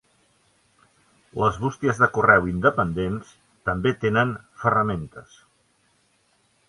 Les bústies de correu independents també tenen ferramentes.